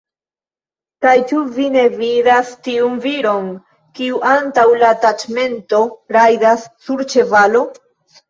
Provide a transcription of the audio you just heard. Kaj ĉu vi ne vidas tiun viron, kiu antaŭ la taĉmento rajdas sur ĉevalo?